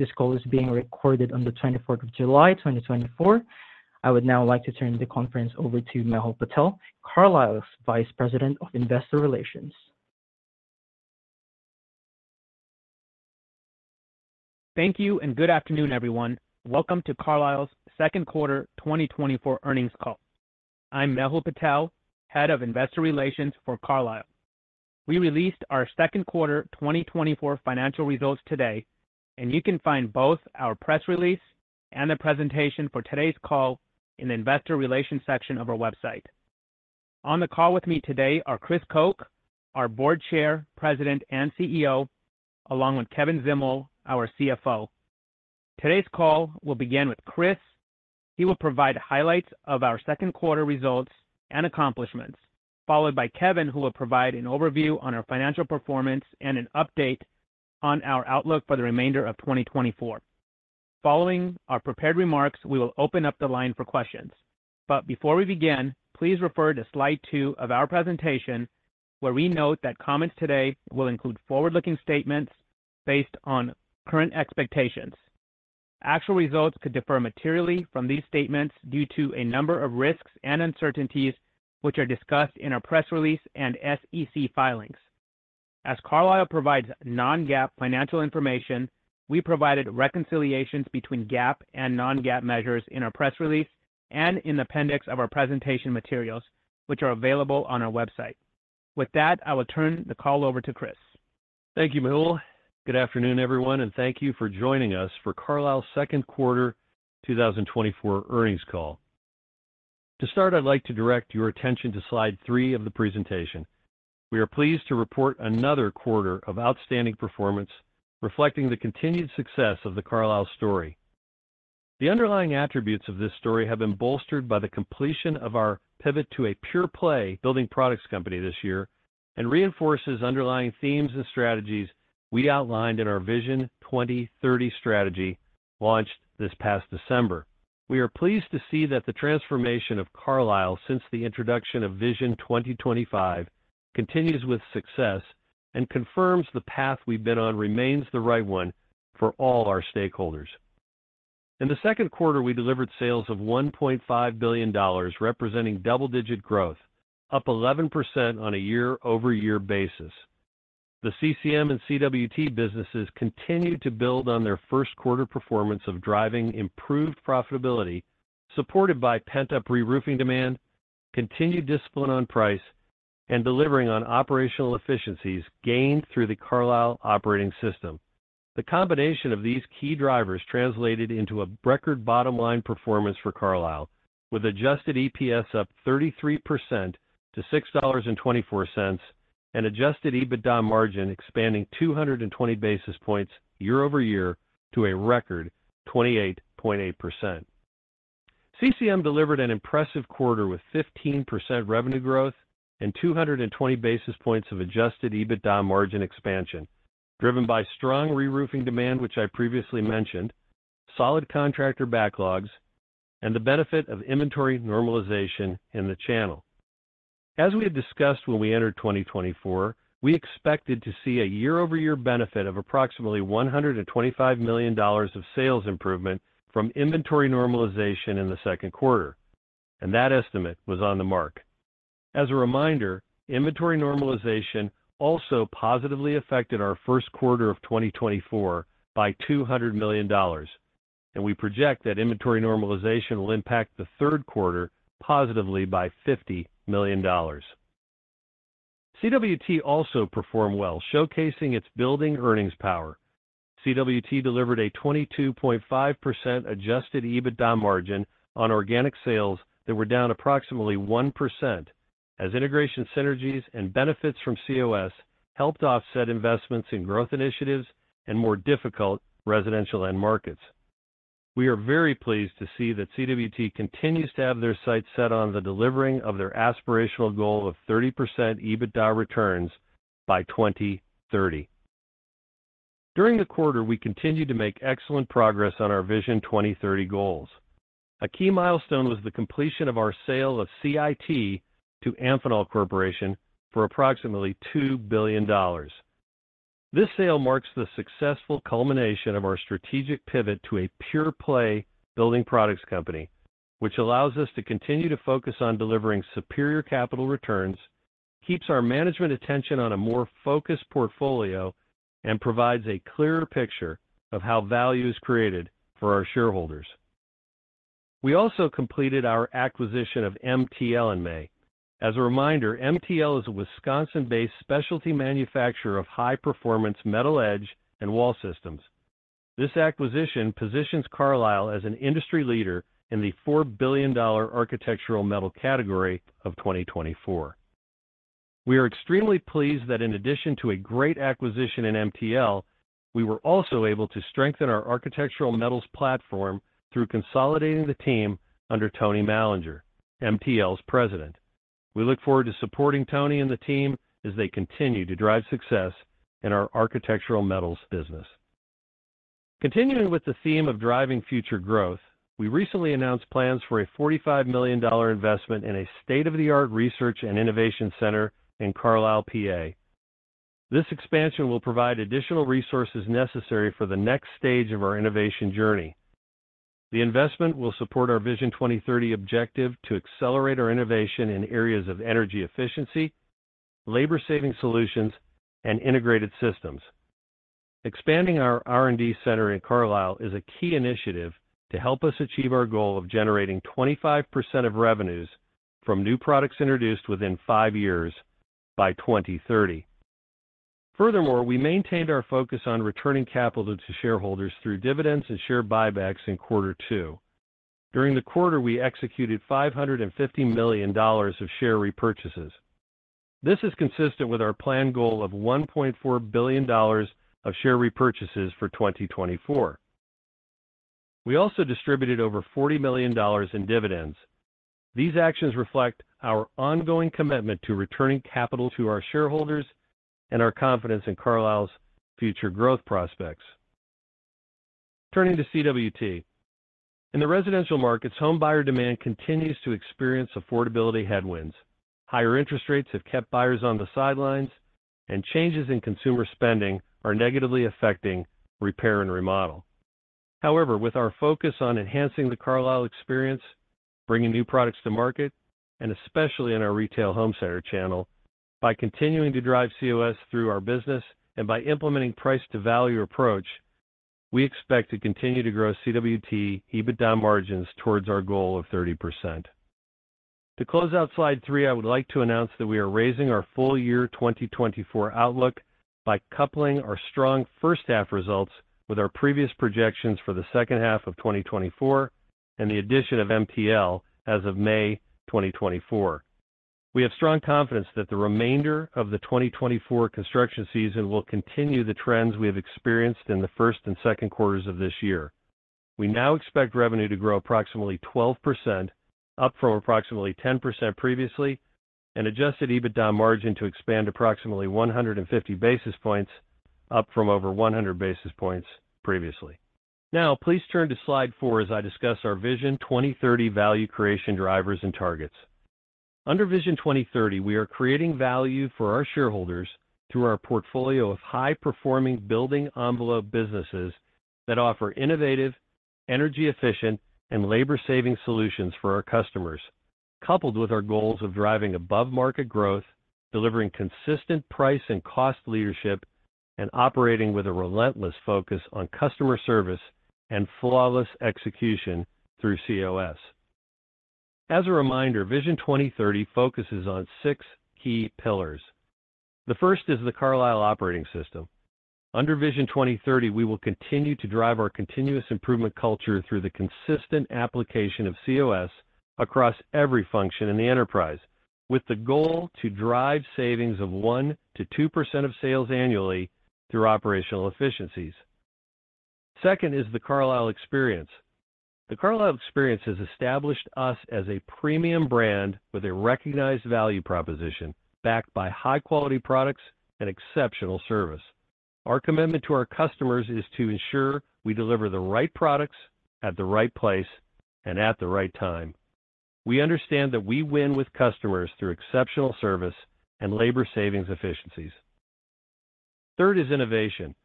This call is being recorded on the 24th of July, 2024. I would now like to turn the conference over to Mehul Patel, Carlisle's Vice President of Investor Relations. Thank you, and good afternoon, everyone. Welcome to Carlisle's second quarter 2024 earnings call. I'm Mehul Patel, Head of Investor Relations for Carlisle. We released our second quarter 2024 financial results today, and you can find both our press release and the presentation for today's call in the Investor Relations section of our website. On the call with me today are Chris Koch, our Board Chair, President, and CEO, along with Kevin Zdimal, our CFO. Today's call will begin with Chris. He will provide highlights of our second quarter results and accomplishments, followed by Kevin, who will provide an overview on our financial performance and an update on our outlook for the remainder of 2024. Following our prepared remarks, we will open up the line for questions. But before we begin, please refer to slide two of our presentation, where we note that comments today will include forward-looking statements based on current expectations. Actual results could differ materially from these statements due to a number of risks and uncertainties, which are discussed in our press release and SEC filings. As Carlisle provides non-GAAP financial information, we provided reconciliations between GAAP and non-GAAP measures in our press release and in the appendix of our presentation materials, which are available on our website. With that, I will turn the call over to Chris. Thank you, Mehul. Good afternoon, everyone, and thank you for joining us for Carlisle's second quarter 2024 earnings call. To start, I'd like to direct your attention to slide 3 of the presentation. We are pleased to report another quarter of outstanding performance, reflecting the continued success of the Carlisle story. The underlying attributes of this story have been bolstered by the completion of our pivot to a pure-play building products company this year and reinforces underlying themes and strategies we outlined in our Vision 2030 strategy launched this past December. We are pleased to see that the transformation of Carlisle since the introduction of Vision 2025 continues with success and confirms the path we've been on remains the right one for all our stakeholders. In the second quarter, we delivered sales of $1.5 billion, representing double-digit growth, up 11% on a year-over-year basis. The CCM and CWT businesses continued to build on their first quarter performance of driving improved profitability, supported by pent-up reroofing demand, continued discipline on price, and delivering on operational efficiencies gained through the Carlisle Operating System. The combination of these key drivers translated into a record bottom-line performance for Carlisle, with adjusted EPS up 33% to $6.24 and adjusted EBITDA margin expanding 220 basis points year-over-year to a record 28.8%. CCM delivered an impressive quarter with 15% revenue growth and 220 basis points of adjusted EBITDA margin expansion, driven by strong reroofing demand, which I previously mentioned, solid contractor backlogs, and the benefit of inventory normalization in the channel. As we had discussed when we entered 2024, we expected to see a year-over-year benefit of approximately $125 million of sales improvement from inventory normalization in the second quarter, and that estimate was on the mark. As a reminder, inventory normalization also positively affected our first quarter of 2024 by $200 million, and we project that inventory normalization will impact the third quarter positively by $50 million. CWT also performed well, showcasing its building earnings power. CWT delivered a 22.5% adjusted EBITDA margin on organic sales that were down approximately 1%, as integration synergies and benefits from COS helped offset investments in growth initiatives and more difficult residential end markets. We are very pleased to see that CWT continues to have their sights set on delivering on their aspirational goal of 30% EBITDA returns by 2030. During the quarter, we continued to make excellent progress on our Vision 2030 goals. A key milestone was the completion of our sale of CIT to Amphenol Corporation for approximately $2 billion. This sale marks the successful culmination of our strategic pivot to a pure-play building products company, which allows us to continue to focus on delivering superior capital returns, keeps our management attention on a more focused portfolio, and provides a clearer picture of how value is created for our shareholders. We also completed our acquisition of MTL in May. As a reminder, MTL is a Wisconsin-based specialty manufacturer of high-performance metal edge and wall systems. This acquisition positions Carlisle as an industry leader in the $4 billion architectural metal category of 2024. We are extremely pleased that in addition to a great acquisition in MTL, we were also able to strengthen our architectural metals platform through consolidating the team under Tony Mallinger, MTL's president. We look forward to supporting Tony and the team as they continue to drive success in our architectural metals business. Continuing with the theme of driving future growth, we recently announced plans for a $45 million investment in a state-of-the-art research and innovation center in Carlisle, PA. This expansion will provide additional resources necessary for the next stage of our innovation journey. The investment will support our Vision 2030 objective to accelerate our innovation in areas of energy efficiency, labor-saving solutions, and integrated systems. Expanding our R&D center in Carlisle is a key initiative to help us achieve our goal of generating 25% of revenues from new products introduced within five years by 2030. Furthermore, we maintained our focus on returning capital to shareholders through dividends and share buybacks in quarter two. During the quarter, we executed $550 million of share repurchases. This is consistent with our planned goal of $1.4 billion of share repurchases for 2024. We also distributed over $40 million in dividends. These actions reflect our ongoing commitment to returning capital to our shareholders and our confidence in Carlisle's future growth prospects. Turning to CWT. In the residential markets, home buyer demand continues to experience affordability headwinds. Higher interest rates have kept buyers on the sidelines, and changes in consumer spending are negatively affecting repair and remodel. However, with our focus on enhancing the Carlisle Experience, bringing new products to market, and especially in our retail home center channel, by continuing to drive COS through our business and by implementing price-to-value approach, we expect to continue to grow CWT EBITDA margins towards our goal of 30%. To close out slide three, I would like to announce that we are raising our full year 2024 outlook by coupling our strong first-half results with our previous projections for the second half of 2024 and the addition of MTL as of May 2024. We have strong confidence that the remainder of the 2024 construction season will continue the trends we have experienced in the first and second quarters of this year. We now expect revenue to grow approximately 12%, up from approximately 10% previously, and adjusted EBITDA margin to expand approximately 150 basis points, up from over 100 basis points previously. Now, please turn to slide four as I discuss our Vision 2030 value creation drivers and targets. Under Vision 2030, we are creating value for our shareholders through our portfolio of high-performing building envelope businesses that offer innovative, energy-efficient, and labor-saving solutions for our customers, coupled with our goals of driving above-market growth, delivering consistent price and cost leadership, and operating with a relentless focus on customer service and flawless execution through COS. As a reminder, Vision 2030 focuses on six key pillars. The first is the Carlisle Operating System. Under Vision 2030, we will continue to drive our continuous improvement culture through the consistent application of COS across every function in the enterprise, with the goal to drive savings of 1%-2% of sales annually through operational efficiencies. Second is the Carlisle Experience. The Carlisle Experience has established us as a premium brand with a recognized value proposition backed by high-quality products and exceptional service. Our commitment to our customers is to ensure we deliver the right products at the right place and at the right time. We understand that we win with customers through exceptional service and labor-saving efficiencies. Third is innovation.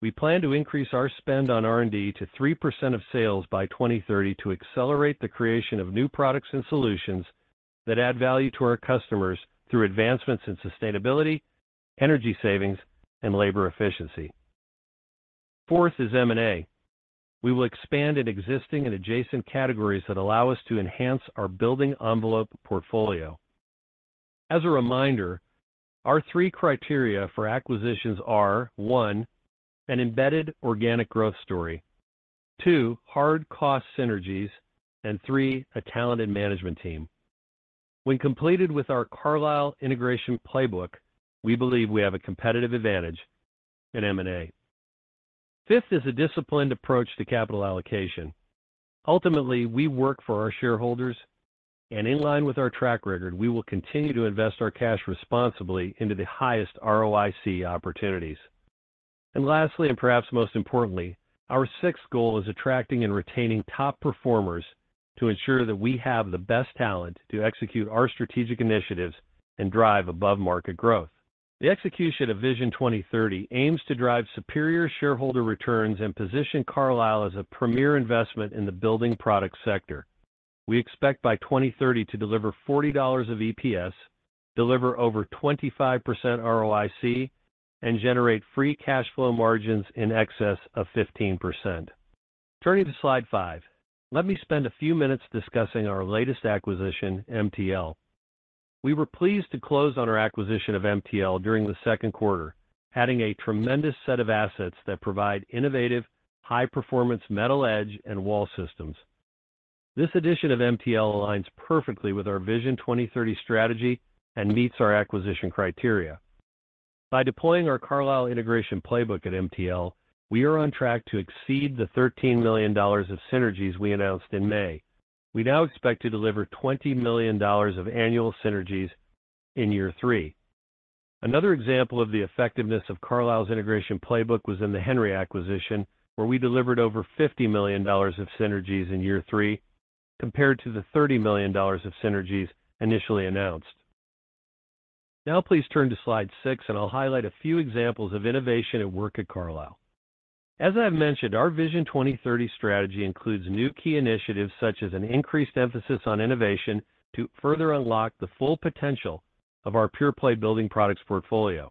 We plan to increase our spend on R&D to 3% of sales by 2030 to accelerate the creation of new products and solutions that add value to our customers through advancements in sustainability, energy savings, and labor efficiency. Fourth is M&A. We will expand in existing and adjacent categories that allow us to enhance our building envelope portfolio. As a reminder, our three criteria for acquisitions are: one, an embedded organic growth story; two, hard cost synergies; and three, a talented management team. When completed with our Carlisle integration playbook, we believe we have a competitive advantage in M&A. Fifth is a disciplined approach to capital allocation. Ultimately, we work for our shareholders, and in line with our track record, we will continue to invest our cash responsibly into the highest ROIC opportunities. And lastly, and perhaps most importantly, our sixth goal is attracting and retaining top performers to ensure that we have the best talent to execute our strategic initiatives and drive above-market growth. The execution of Vision 2030 aims to drive superior shareholder returns and position Carlisle as a premier investment in the building products sector. We expect by 2030 to deliver $40 of EPS, deliver over 25% ROIC, and generate free cash flow margins in excess of 15%. Turning to slide five, let me spend a few minutes discussing our latest acquisition, MTL. We were pleased to close on our acquisition of MTL during the second quarter, adding a tremendous set of assets that provide innovative, high-performance metal edge and wall systems. This addition of MTL aligns perfectly with our Vision 2030 strategy and meets our acquisition criteria. By deploying our Carlisle integration playbook at MTL, we are on track to exceed the $13 million of synergies we announced in May. We now expect to deliver $20 million of annual synergies in year three. Another example of the effectiveness of Carlisle's integration playbook was in the Henry acquisition, where we delivered over $50 million of synergies in year three, compared to the $30 million of synergies initially announced. Now, please turn to slide six, and I'll highlight a few examples of innovation at work at Carlisle. As I've mentioned, our Vision 2030 strategy includes new key initiatives such as an increased emphasis on innovation to further unlock the full potential of our pure-play building products portfolio.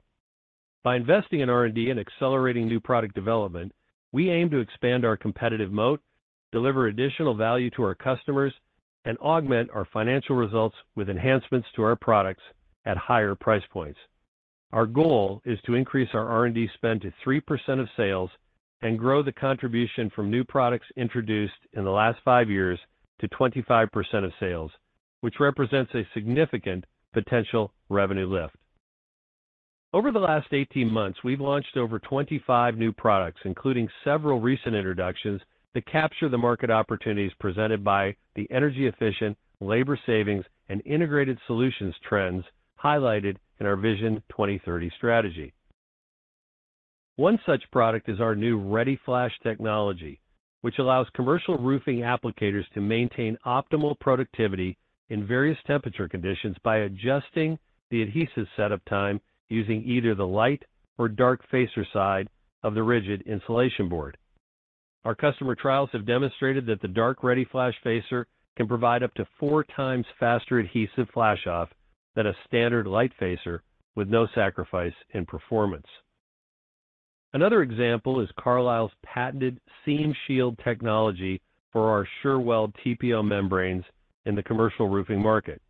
By investing in R&D and accelerating new product development, we aim to expand our competitive moat, deliver additional value to our customers, and augment our financial results with enhancements to our products at higher price points. Our goal is to increase our R&D spend to 3% of sales and grow the contribution from new products introduced in the last five years to 25% of sales, which represents a significant potential revenue lift. Over the last 18 months, we've launched over 25 new products, including several recent introductions that capture the market opportunities presented by the energy-efficient, labor-saving, and integrated solutions trends highlighted in our Vision 2030 strategy. One such product is our new ReadyFlash technology, which allows commercial roofing applicators to maintain optimal productivity in various temperature conditions by adjusting the adhesive setup time using either the light or dark facer side of the rigid insulation board. Our customer trials have demonstrated that the dark ReadyFlash facer can provide up to 4x faster adhesive flash-off than a standard light facer with no sacrifice in performance. Another example is Carlisle's patented Seam Shield technology for our Sure-Weld TPO membranes in the commercial roofing market.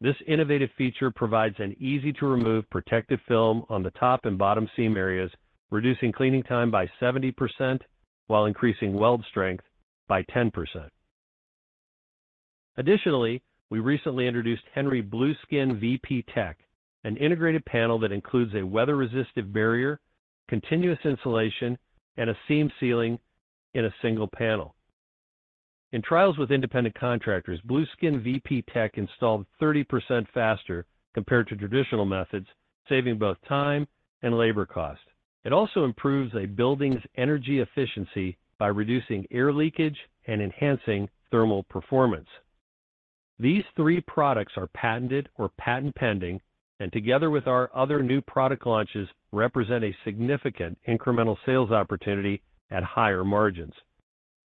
This innovative feature provides an easy-to-remove protective film on the top and bottom seam areas, reducing cleaning time by 70% while increasing weld strength by 10%. Additionally, we recently introduced Henry Blueskin VP Tech, an integrated panel that includes a weather-resistive barrier, continuous insulation, and a seam ceiling in a single panel. In trials with independent contractors, Blueskin VP Tech installed 30% faster compared to traditional methods, saving both time and labor cost. It also improves a building's energy efficiency by reducing air leakage and enhancing thermal performance. These three products are patented or patent pending, and together with our other new product launches, represent a significant incremental sales opportunity at higher margins.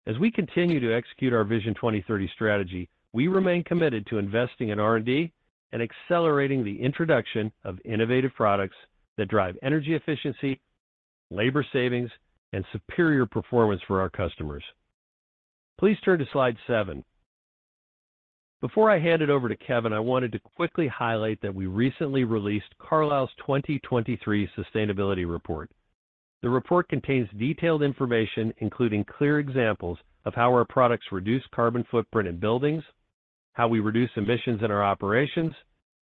As we continue to execute our Vision 2030 strategy, we remain committed to investing in R&D and accelerating the introduction of innovative products that drive energy efficiency, labor savings, and superior performance for our customers. Please turn to slide seven. Before I hand it over to Kevin, I wanted to quickly highlight that we recently released Carlisle's 2023 sustainability report. The report contains detailed information, including clear examples of how our products reduce carbon footprint in buildings, how we reduce emissions in our operations,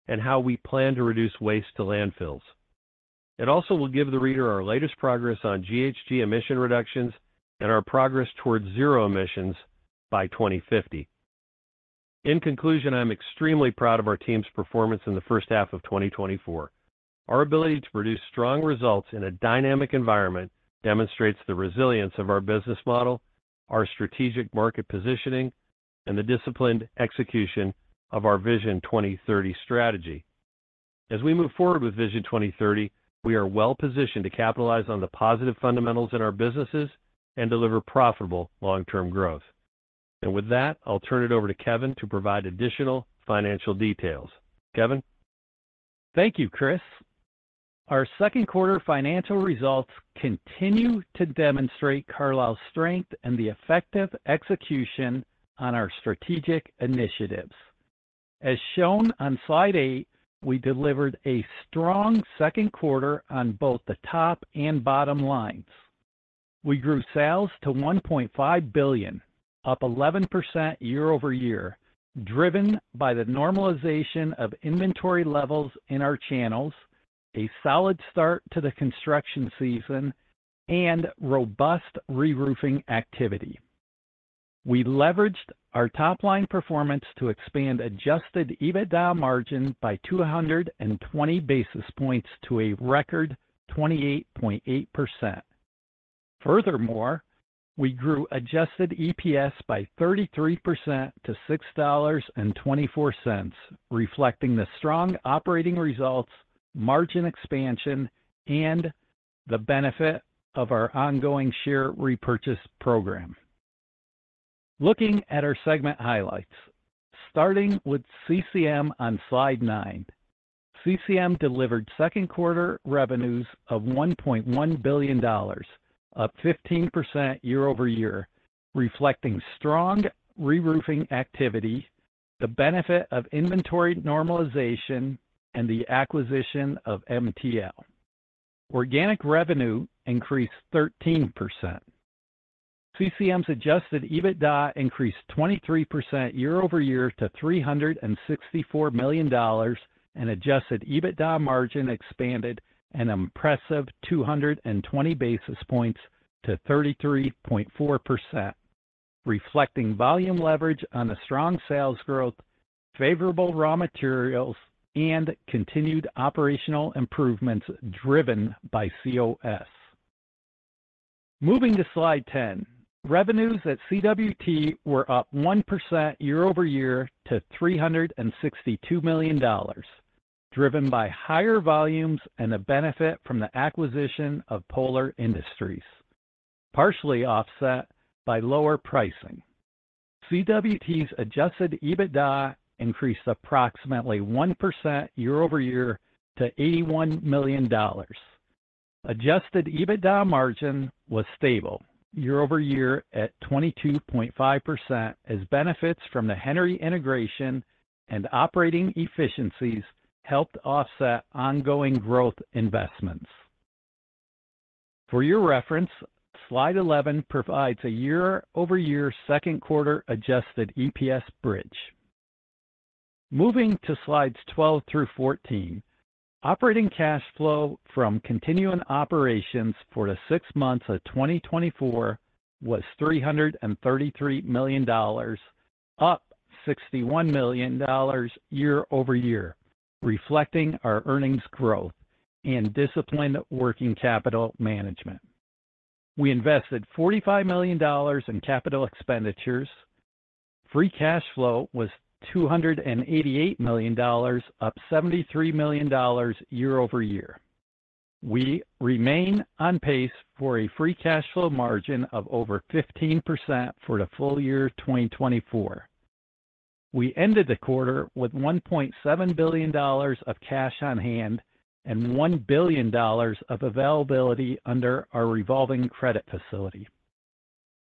and how we plan to reduce waste to landfills. It also will give the reader our latest progress on GHG emission reductions and our progress towards zero emissions by 2050. In conclusion, I'm extremely proud of our team's performance in the first half of 2024. Our ability to produce strong results in a dynamic environment demonstrates the resilience of our business model, our strategic market positioning, and the disciplined execution of our Vision 2030 strategy. As we move forward with Vision 2030, we are well-positioned to capitalize on the positive fundamentals in our businesses and deliver profitable long-term growth. And with that, I'll turn it over to Kevin to provide additional financial details. Kevin. Thank you, Chris. Our second quarter financial results continue to demonstrate Carlisle's strength and the effective execution on our strategic initiatives. As shown on slide eight, we delivered a strong second quarter on both the top and bottom lines. We grew sales to $1.5 billion, up 11% year-over-year, driven by the normalization of inventory levels in our channels, a solid start to the construction season, and robust reroofing activity. We leveraged our top-line performance to expand adjusted EBITDA margin by 220 basis points to a record 28.8%. Furthermore, we grew adjusted EPS by 33% to $6.24, reflecting the strong operating results, margin expansion, and the benefit of our ongoing share repurchase program. Looking at our segment highlights, starting with CCM on slide nine, CCM delivered second quarter revenues of $1.1 billion, up 15% year-over-year, reflecting strong reroofing activity, the benefit of inventory normalization, and the acquisition of MTL. Organic revenue increased 13%. CCM's adjusted EBITDA increased 23% year-over-year to $364 million, and adjusted EBITDA margin expanded an impressive 220 basis points to 33.4%, reflecting volume leverage on a strong sales growth, favorable raw materials, and continued operational improvements driven by COS. Moving to slide 10, revenues at CWT were up 1% year-over-year to $362 million, driven by higher volumes and a benefit from the acquisition of Polar Industries, partially offset by lower pricing. CWT's adjusted EBITDA increased approximately 1% year-over-year to $81 million. adjusted EBITDA margin was stable year-over-year at 22.5%, as benefits from the Henry integration and operating efficiencies helped offset ongoing growth investments. For your reference, slide 11 provides a year-over-year second quarter adjusted EPS bridge. Moving to slides 12 through 14, operating cash flow from continuing operations for the six months of 2024 was $333 million, up $61 million year-over-year, reflecting our earnings growth and disciplined working capital management. We invested $45 million in capital expenditures. Free cash flow was $288 million, up $73 million year-over-year. We remain on pace for a free cash flow margin of over 15% for the full year 2024. We ended the quarter with $1.7 billion of cash on hand and $1 billion of availability under our revolving credit facility.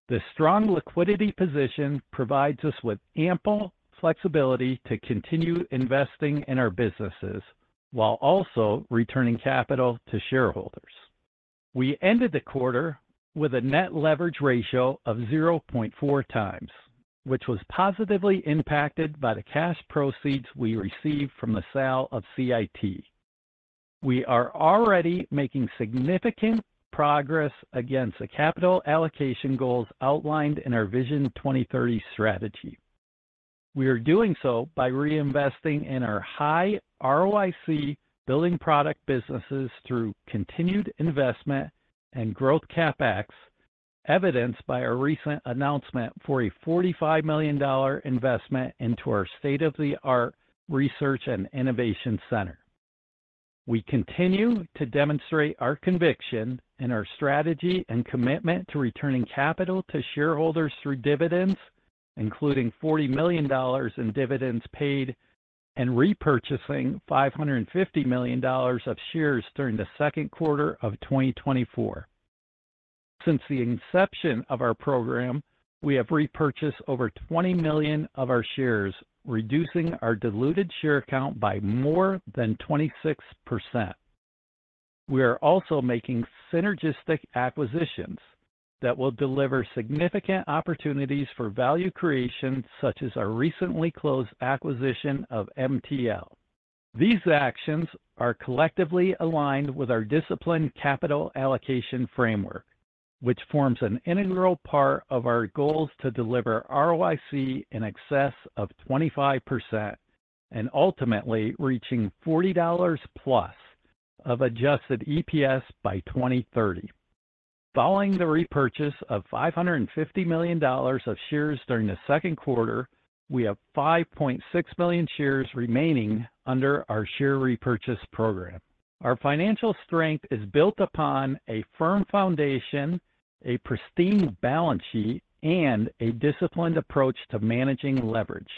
The strong liquidity position provides us with ample flexibility to continue investing in our businesses while also returning capital to shareholders. We ended the quarter with a net leverage ratio of 0.4x, which was positively impacted by the cash proceeds we received from the sale of CIT. We are already making significant progress against the capital allocation goals outlined in our Vision 2030 strategy. We are doing so by reinvesting in our high ROIC building product businesses through continued investment and growth CapEx, evidenced by our recent announcement for a $45 million investment into our state-of-the-art research and innovation center. We continue to demonstrate our conviction in our strategy and commitment to returning capital to shareholders through dividends, including $40 million in dividends paid and repurchasing $550 million of shares during the second quarter of 2024. Since the inception of our program, we have repurchased over 20 million of our shares, reducing our diluted share count by more than 26%. We are also making synergistic acquisitions that will deliver significant opportunities for value creation, such as our recently closed acquisition of MTL. These actions are collectively aligned with our disciplined capital allocation framework, which forms an integral part of our goals to deliver ROIC in excess of 25% and ultimately reaching $40+ adjusted EPS by 2030. Following the repurchase of $550 million of shares during the second quarter, we have 5.6 million shares remaining under our share repurchase program. Our financial strength is built upon a firm foundation, a pristine balance sheet, and a disciplined approach to managing leverage.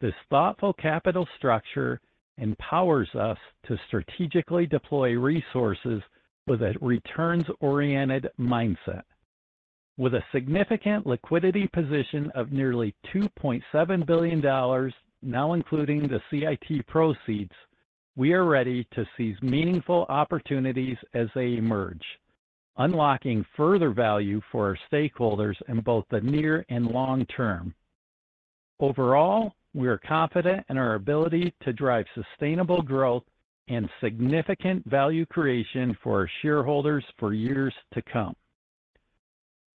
This thoughtful capital structure empowers us to strategically deploy resources with a returns-oriented mindset. With a significant liquidity position of nearly $2.7 billion, now including the CIT proceeds, we are ready to seize meaningful opportunities as they emerge, unlocking further value for our stakeholders in both the near and long term. Overall, we are confident in our ability to drive sustainable growth and significant value creation for our shareholders for years to come.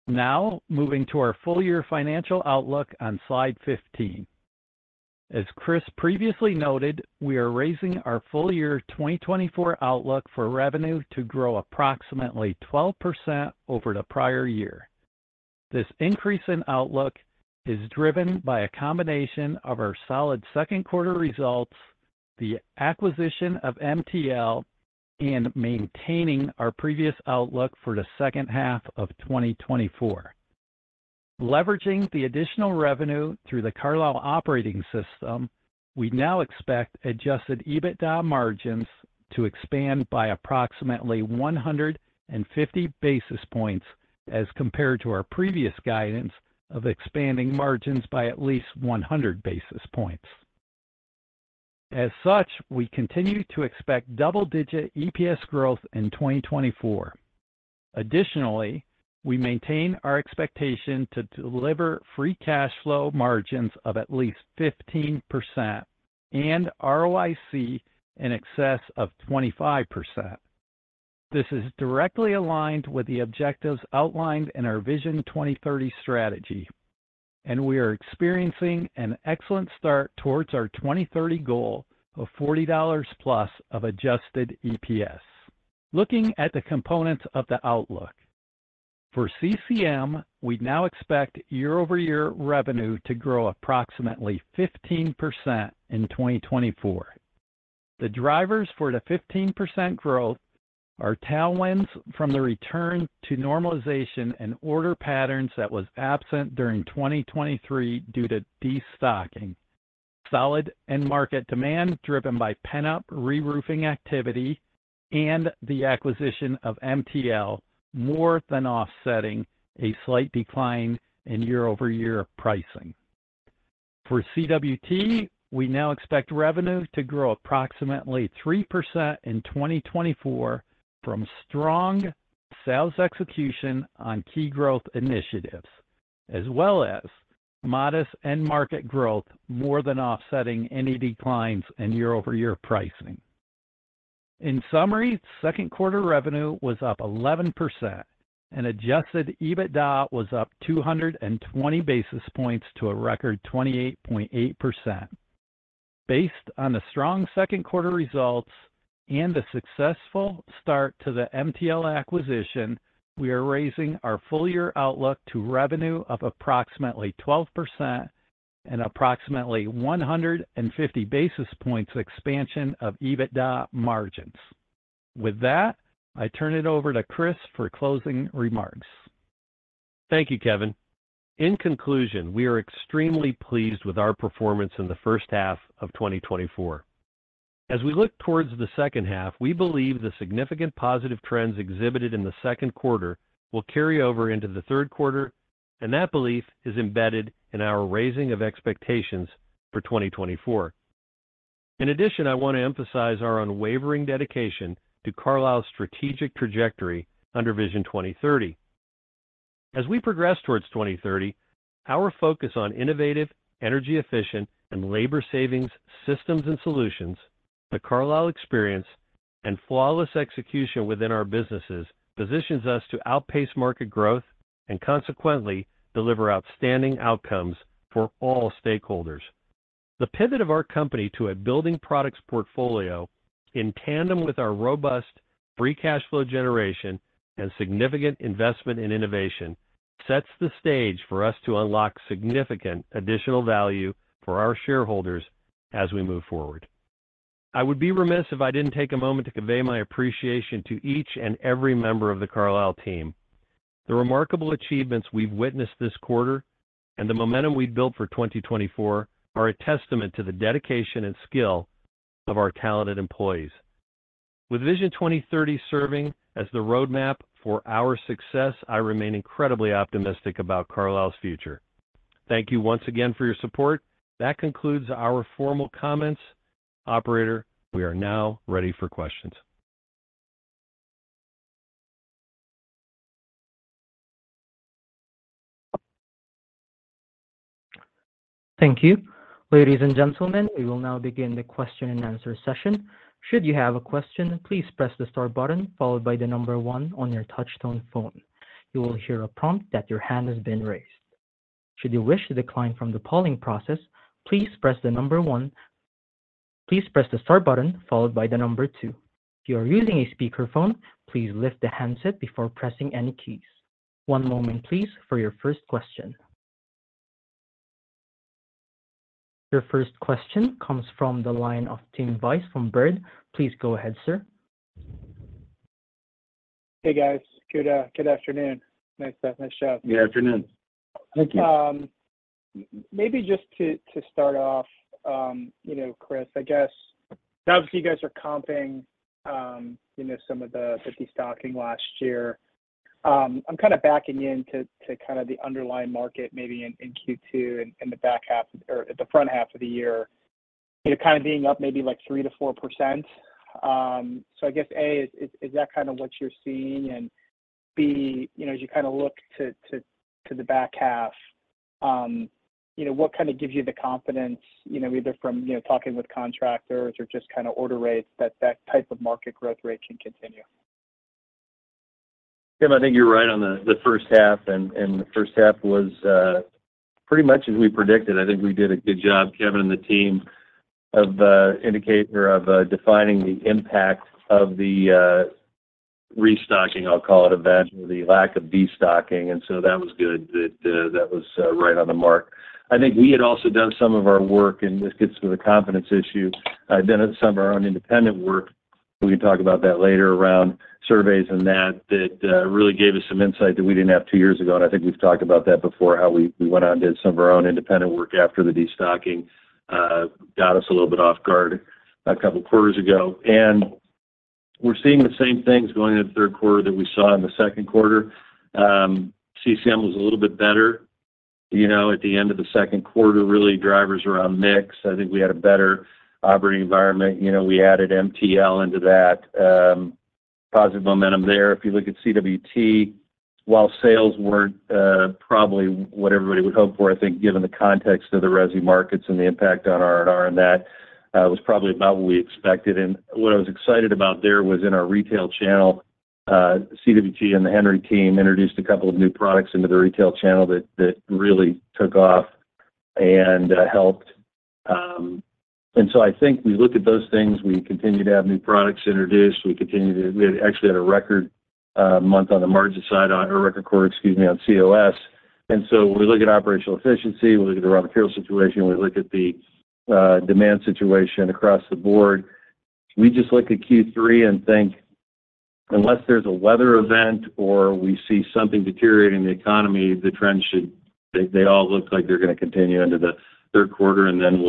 Now, moving to our full-year financial outlook on slide 15. As Chris previously noted, we are raising our full-year 2024 outlook for revenue to grow approximately 12% over the prior year. This increase in outlook is driven by a combination of our solid second quarter results, the acquisition of MTL, and maintaining our previous outlook for the second half of 2024. Leveraging the additional revenue through the Carlisle Operating System, we now expect adjusted EBITDA margins to expand by approximately 150 basis points as compared to our previous guidance of expanding margins by at least 100 basis points. As such, we continue to expect double-digit EPS growth in 2024. Additionally, we maintain our expectation to deliver free cash flow margins of at least 15% and ROIC in excess of 25%. This is directly aligned with the objectives outlined in our Vision 2030 strategy, and we are experiencing an excellent start towards our 2030 goal of $40 plus of adjusted EPS. Looking at the components of the outlook, for CCM, we now expect year-over-year revenue to grow approximately 15% in 2024. The drivers for the 15% growth are tailwinds from the return to normalization and order patterns that were absent during 2023 due to destocking, solid end-market demand driven by pent-up reroofing activity, and the acquisition of MTL, more than offsetting a slight decline in year-over-year pricing. For CWT, we now expect revenue to grow approximately 3% in 2024 from strong sales execution on key growth initiatives, as well as modest end-market growth, more than offsetting any declines in year-over-year pricing. In summary, second quarter revenue was up 11%, and adjusted EBITDA was up 220 basis points to a record 28.8%. Based on the strong second quarter results and the successful start to the MTL acquisition, we are raising our full-year outlook to revenue of approximately 12% and approximately 150 basis points expansion of EBITDA margins. With that, I turn it over to Chris for closing remarks. Thank you, Kevin. In conclusion, we are extremely pleased with our performance in the first half of 2024. As we look towards the second half, we believe the significant positive trends exhibited in the second quarter will carry over into the third quarter, and that belief is embedded in our raising of expectations for 2024. In addition, I want to emphasize our unwavering dedication to Carlisle's strategic trajectory under Vision 2030. As we progress towards 2030, our focus on innovative, energy-efficient, and labor-saving systems and solutions, the Carlisle Experience, and flawless execution within our businesses positions us to outpace market growth and, consequently, deliver outstanding outcomes for all stakeholders. The pivot of our company to a building products portfolio, in tandem with our robust free cash flow generation and significant investment in innovation, sets the stage for us to unlock significant additional value for our shareholders as we move forward. I would be remiss if I didn't take a moment to convey my appreciation to each and every member of the Carlisle team. The remarkable achievements we've witnessed this quarter and the momentum we've built for 2024 are a testament to the dedication and skill of our talented employees. With Vision 2030 serving as the roadmap for our success, I remain incredibly optimistic about Carlisle's future. Thank you once again for your support. That concludes our formal comments. Operator, we are now ready for questions. Thank you. Ladies and gentlemen, we will now begin the question-and-answer session. Should you have a question, please press the star button followed by the number one on your touch-tone phone. You will hear a prompt that your hand has been raised. Should you wish to decline from the polling process, please press the number one. Please press the start button followed by the number two. If you are using a speakerphone, please lift the handset before pressing any keys. One moment, please, for your first question. Your first question comes from the line of Tim Wojs from Baird. Please go ahead, sir. Hey, guys. Good afternoon. Nice presentation. Good afternoon. Thank you. Maybe just to start off, you know, Chris, I guess, obviously, you guys are comping some of the destocking last year. I'm kind of backing into kind of the underlying market, maybe in Q2 and the back half or the front half of the year, kind of being up maybe like 3%-4%. So I guess, A, is that kind of what you're seeing? And B, as you kind of look to the back half, what kind of gives you the confidence, either from talking with contractors or just kind of order rates, that that type of market growth rate can continue? Tim, I think you're right on the first half. The first half was pretty much as we predicted. I think we did a good job, Kevin and the team, of defining the impact of the restocking, I'll call it, event, or the lack of destocking. So that was good. That was right on the mark. I think we had also done some of our work, and this gets to the confidence issue. I've done some of our own independent work. We can talk about that later around surveys and that, that really gave us some insight that we didn't have two years ago. I think we've talked about that before, how we went on to do some of our own independent work after the destocking got us a little bit off guard a couple of quarters ago and we're seeing the same things going into the third quarter that we saw in the second quarter. CCM was a little bit better at the end of the second quarter really drive us around mix. I think we had a better operating environment. We added MTL into that. Positive momentum there. If you look at CWT, while sales weren't probably what everybody would hope for, I think, given the context of the resin markets and the impact on our end markets and that, it was probably about what we expected. What I was excited about there was in our retail channel, CWT and the Henry team introduced a couple of new products into the retail channel that really took off and helped. So I think we looked at those things. We continue to have new products introduced. We continued to—we actually had a record month on the margin side, or record quarter, excuse me, on COS. So, we look at operational efficiency, we look at the raw material situation, we look at the demand situation across the board. We just look at Q3 and think, unless there's a weather event or we see something deteriorating in the economy, the trends should—they all look like they're going to continue into the third quarter. And then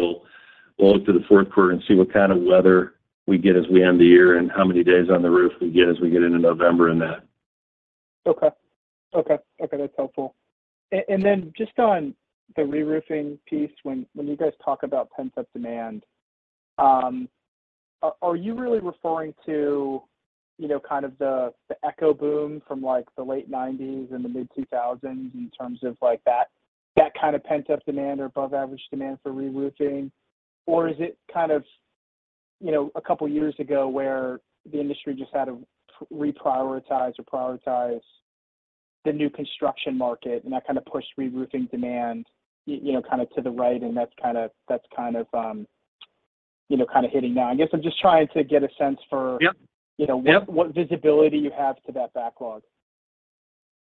we'll look to the fourth quarter and see what kind of weather we get as we end the year and how many days on the roof we get as we get into November and that. Okay. Okay. Okay. That's helpful. And then just on the reroofing piece, when you guys talk about pent-up demand, are you really referring to kind of the echo boom from the late 1990s and the mid-2000s in terms of that kind of pent-up demand or above-average demand for reroofing? Or is it kind of a couple of years ago where the industry just had to reprioritize or prioritize the new construction market, and that kind of pushed reroofing demand kind of to the right? And that's kind of kind of hitting now. I guess I'm just trying to get a sense for what visibility you have to that backlog.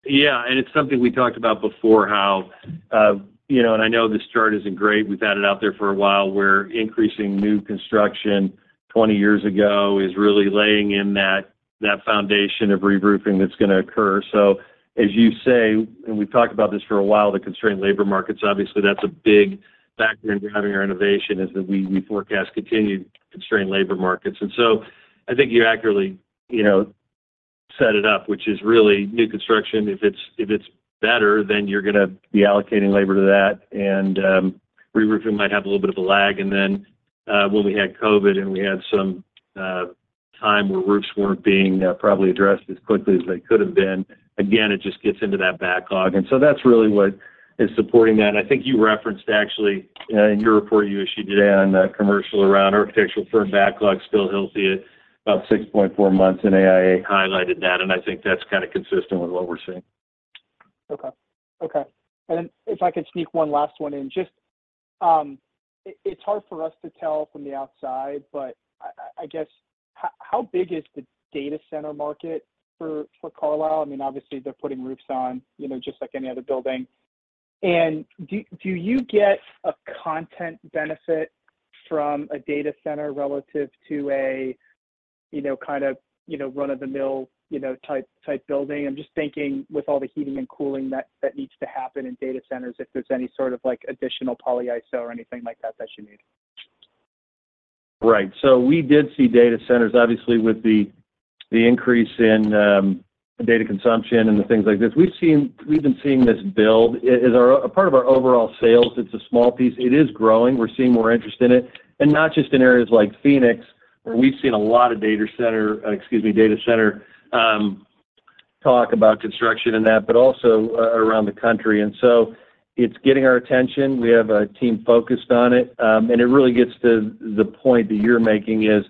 Yeah. It's something we talked about before, how—and I know this chart isn't great. We've had it out there for a while. The increasing new construction 20 years ago is really laying in that foundation of reroofing that's going to occur. So as you say, and we've talked about this for a while, the constrained labor markets, obviously, that's a big factor in driving our innovation is that we forecast continued constrained labor markets. And so I think you accurately set it up, which is really new construction. If it's better, then you're going to be allocating labor to that. And reroofing might have a little bit of a lag. And then when we had COVID and we had some time where roofs weren't being probably addressed as quickly as they could have been, again, it just gets into that backlog. And so that's really what is supporting that. And I think you referenced actually in your report you issued today on commercial around architectural firm backlog still healthy at about 6.4 months, and AIA highlighted that, and I think that's kind of consistent with what we're seeing. Okay. Okay. And if I could sneak one last one in, just it's hard for us to tell from the outside, but I guess how big is the data center market for Carlisle? I mean, obviously, they're putting roofs on just like any other building. And do you get a content benefit from a data center relative to a kind of run-of-the-mill type building? I'm just thinking with all the heating and cooling that needs to happen in data centers, if there's any sort of additional polyiso or anything like that that you need. Right. So we did see data centers, obviously, with the increase in data consumption and the things like this. We've been seeing this build. As a part of our overall sales, it's a small piece. It is growing. We're seeing more interest in it. And not just in areas like Phoenix, where we've seen a lot of data center, excuse me, data center. Talk about construction and that, but also around the country. And so, it's getting our attention. We have a team focused on it. And it really gets to the point that you're making is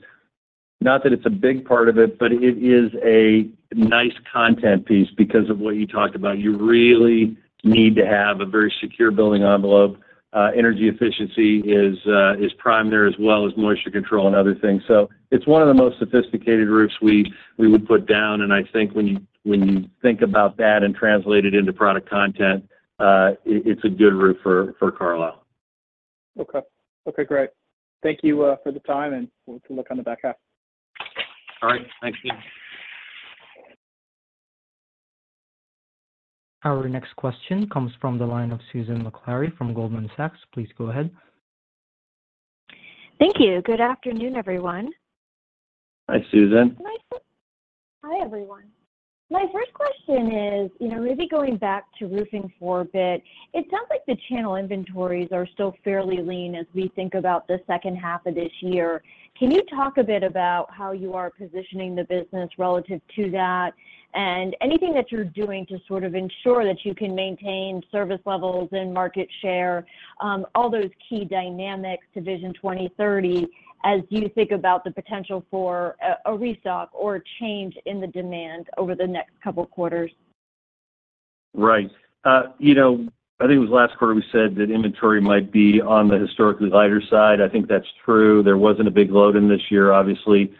not that it's a big part of it, but it is a nice content piece because of what you talked about. You really need to have a very secure building envelope. Energy efficiency is prime there as well as moisture control and other things. So it's one of the most sophisticated roofs we would put down. And I think when you think about that and translate it into product content, it's a good roof for Carlisle. Okay. Okay. Great. Thank you for the time, and we'll look on the back half. All right. Thanks, Tim. Our next question comes from the line of Susan Maklari from Goldman Sachs. Please go ahead. Thank you. Good afternoon, everyone. Hi, Susan. Hi, everyone. My first question is, maybe going back to roofings for a bit, it sounds like the channel inventories are still fairly lean as we think about the second half of this year. Can you talk a bit about how you are positioning the business relative to that and anything that you're doing to sort of ensure that you can maintain service levels and market share, all those key dynamics to Vision 2030 as you think about the potential for a restock or a change in the demand over the next couple of quarters? Right. I think it was last quarter we said that inventory might be on the historically lighter side. I think that's true. There wasn't a big load in this year, obviously.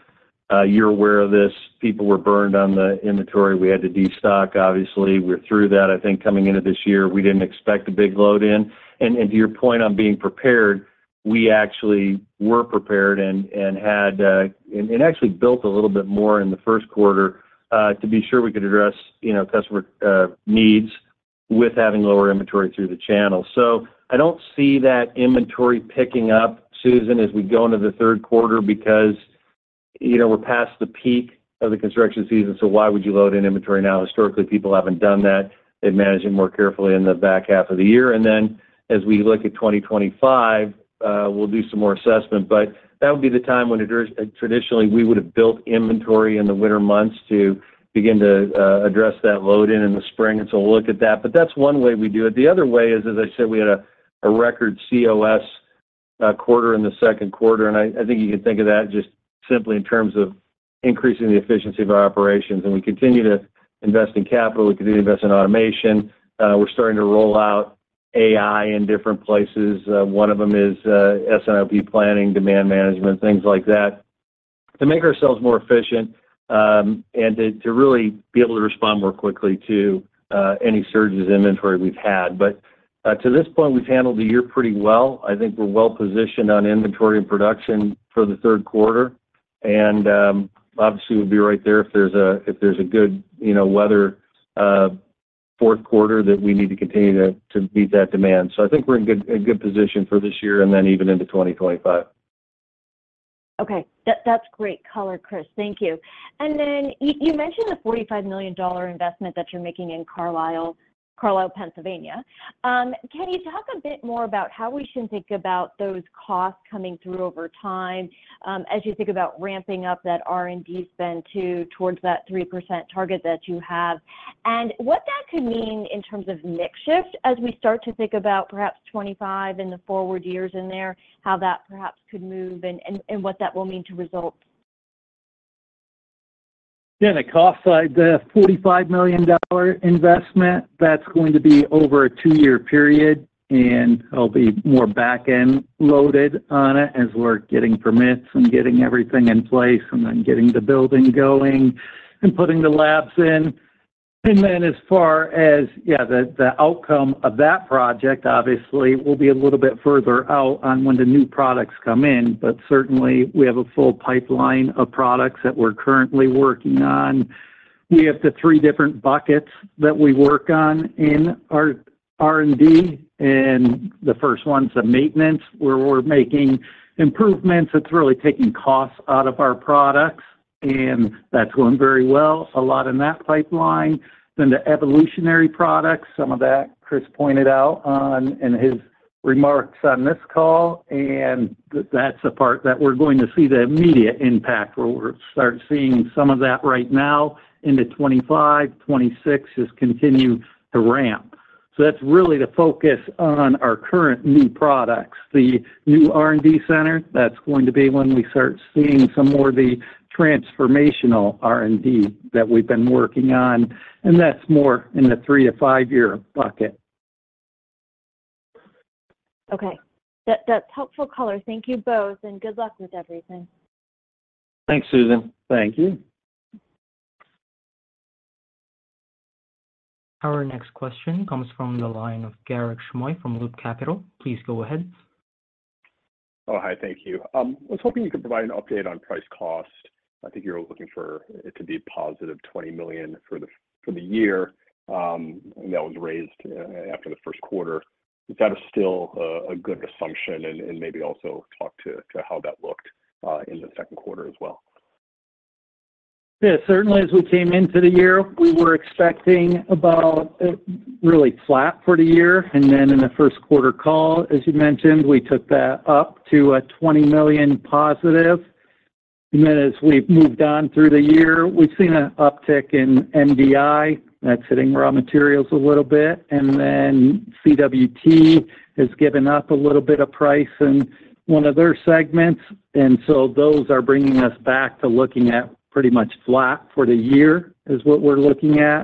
You're aware of this. People were burned on the inventory. We had to destock, obviously. We're through that, I think, coming into this year. We didn't expect a big load in. To your point on being prepared, we actually were prepared and had and actually built a little bit more in the first quarter to be sure we could address customer needs with having lower inventory through the channel. So I don't see that inventory picking up, Susan, as we go into the third quarter because we're past the peak of the construction season. So why would you load in inventory now? Historically, people haven't done that. They've managed it more carefully in the back half of the year. Then as we look at 2025, we'll do some more assessment. That would be the time when traditionally we would have built inventory in the winter months to begin to address that load in the spring. So we'll look at that. That's one way we do it. The other way is, as I said, we had a record COS quarter in the second quarter. I think you can think of that just simply in terms of increasing the efficiency of our operations. We continue to invest in capital. We continue to invest in automation. We're starting to roll out AI in different places. One of them is S&OP planning, demand management, things like that, to make ourselves more efficient and to really be able to respond more quickly to any surges in inventory we've had. But to this point, we've handled the year pretty well. I think we're well positioned on inventory and production for the third quarter. Obviously, we'll be right there if there's a good weather fourth quarter that we need to continue to meet that demand. I think we're in good position for this year and then even into 2025. Okay. That's great color, Chris. Thank you. And then you mentioned the $45 million investment that you're making in Carlisle, Pennsylvania. Can you talk a bit more about how we should think about those costs coming through over time as you think about ramping up that R&D spend too towards that 3% target that you have? And what that could mean in terms of next shift as we start to think about perhaps 2025 and the forward years in there, how that perhaps could move and what that will mean to results? Yeah. The cost side, the $45 million investment, that's going to be over a two-year period. And I'll be more back-end loaded on it as we're getting permits and getting everything in place and then getting the building going and putting the labs in. And then as far as, yeah, the outcome of that project, obviously, will be a little bit further out on when the new products come in. But certainly, we have a full pipeline of products that we're currently working on. We have the three different buckets that we work on in our R&D. And the first one's the maintenance where we're making improvements. It's really taking costs out of our products. And that's going very well. A lot in that pipeline. Then the evolutionary products, some of that Chris pointed out in his remarks on this call. And that's the part that we're going to see the immediate impact where we're starting to see some of that right now into 2025, 2026 just continue to ramp. So that's really the focus on our current new products, the new R&D center. That's going to be when we start seeing some more of the transformational R&D that we've been working on. And that's more in the 3- to 5-year bucket. Okay. That's helpful color. Thank you both. And good luck with everything. Thanks, Susan. Thank you. Our next question comes from the line of Garik Shmois from Loop Capital. Please go ahead. Oh, hi. Thank you. I was hoping you could provide an update on price cost. I think you were looking for it to be a positive $20 million for the year that was raised after the first quarter. Is that still a good assumption? And maybe also talk to how that looked in the second quarter as well. Yeah. Certainly, as we came into the year, we were expecting about really flat for the year. And then in the first quarter call, as you mentioned, we took that up to a $20 million positive. And then as we've moved on through the year, we've seen an uptick in MDI that's hitting raw materials a little bit. And then CWT has given up a little bit of price in one of their segments. And so those are bringing us back to looking at pretty much flat for the year is what we're looking at.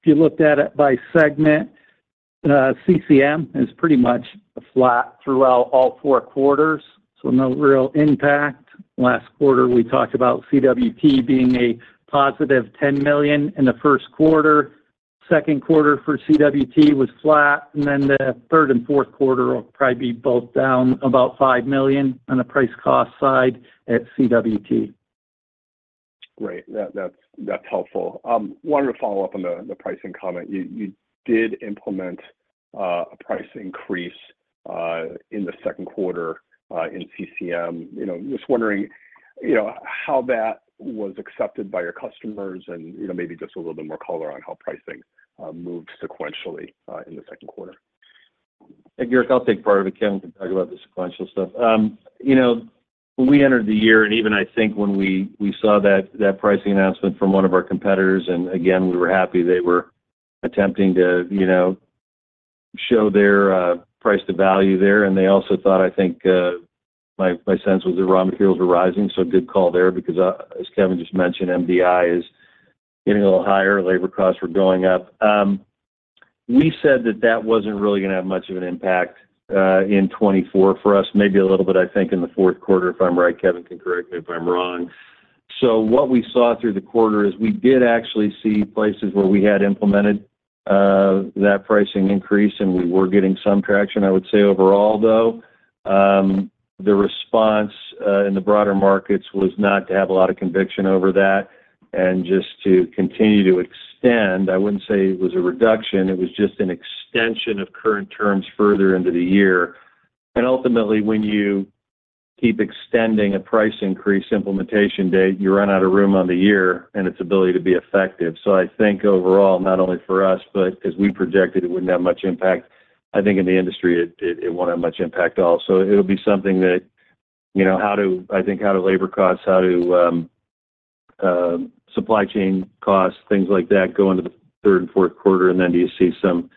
If you looked at it by segment, CCM is pretty much flat throughout all four quarters. So no real impact. Last quarter, we talked about CWT being a positive $10 million in the first quarter. Second quarter for CWT was flat. And then the third and fourth quarter will probably be both down about $5 million on the price cost side at CWT. Great. That's helpful. Wanted to follow up on the pricing comment. You did implement a price increase in the second quarter in CCM. Just wondering how that was accepted by your customers and maybe just a little bit more color on how pricing moved sequentially in the second quarter. Hey, Garik, I'll take part of accounting to talk about the sequential stuff. When we entered the year, and even I think when we saw that pricing announcement from one of our competitors, and again, we were happy they were attempting to show their price to value there. They also thought, I think my sense was the raw materials were rising. Good call there because, as Kevin just mentioned, MDI is getting a little higher. Labor costs were going up. We said that that wasn't really going to have much of an impact in 2024 for us, maybe a little bit, I think, in the fourth quarter if I'm right. Kevin can correct me if I'm wrong. So what we saw through the quarter is we did actually see places where we had implemented that pricing increase, and we were getting some traction. I would say overall, though, the response in the broader markets was not to have a lot of conviction over that and just to continue to extend. I wouldn't say it was a reduction. It was just an extension of current terms further into the year. And ultimately, when you keep extending a price increase implementation date, you run out of room on the year and its ability to be effective. So I think overall, not only for us, but as we projected, it wouldn't have much impact. I think in the industry, it won't have much impact also. It'll be something that I think—how do labor costs, how do supply chain costs, things like that go into the third and fourth quarter and then do you see some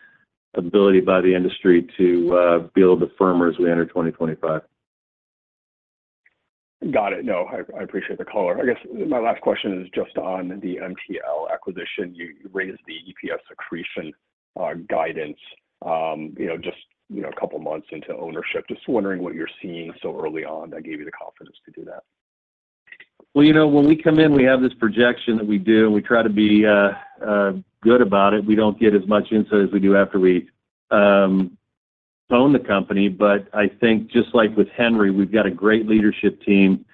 ability by the industry to be a little bit firmer as we enter 2025. Got it. No, I appreciate the color. I guess my last question is just on the MTL acquisition. You raised the EPS accretion guidance just a couple of months into ownership. Just wondering what you're seeing so early on that gave you the confidence to do that. Well, when we come in, we have this projection that we do, and we try to be good about it. We don't get as much insight as we do after we own the company. I think just like with Henry, we've got a great leadership team.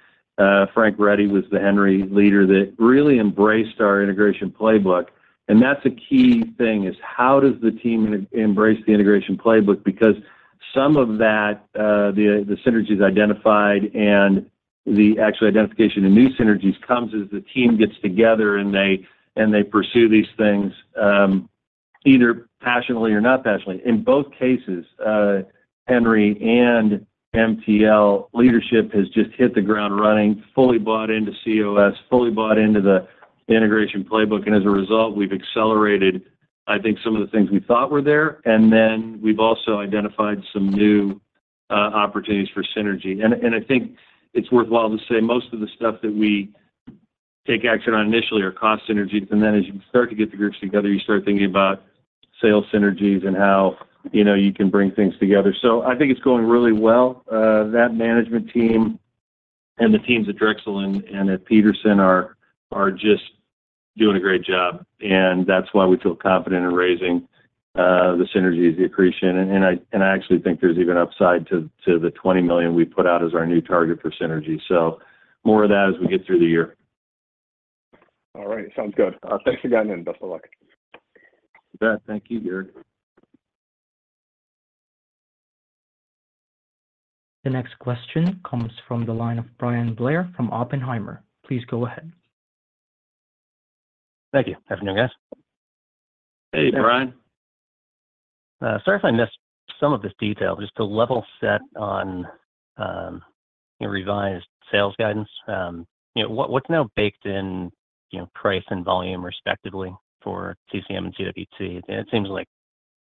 Frank Ready was the Henry leader that really embraced our integration playbook. That's a key thing is how does the team embrace the integration playbook because some of that, the synergies identified and the actual identification of new synergies comes as the team gets together and they pursue these things either passionately or not passionately. In both cases, Henry and MTL leadership has just hit the ground running, fully bought into COS, fully bought into the integration playbook. As a result, we've accelerated, I think, some of the things we thought were there. Then we've also identified some new opportunities for synergy. I think it's worthwhile to say most of the stuff that we take action on initially are cost synergies. And then as you start to get the groups together, you start thinking about sales synergies and how you can bring things together. So I think it's going really well. That management team and the teams at Drexel and at Petersen are just doing a great job. And that's why we feel confident in raising the synergies, the accretion. And I actually think there's even upside to the $20 million we put out as our new target for synergy. So more of that as we get through the year. All right. Sounds good. Thanks again, and best of luck. Thank you, Garik. The next question comes from the line of Bryan Blair from Oppenheimer. Please go ahead. Thank you. Hey, Bryan. Sorry if I missed some of this detail. Just to level set on revised sales guidance, what's now baked in price and volume, respectively, for CCM and CWT? It seems like